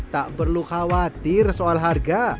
tak perlu khawatir soal harga